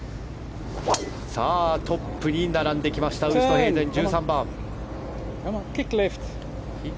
トップに並んできたウーストヘイゼン、１３番。